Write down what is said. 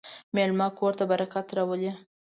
مېلمه کور ته برکت راولي.